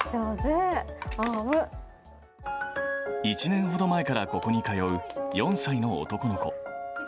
１年ほど前からここに通う４歳の男の子。